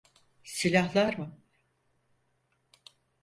Silahlar mı?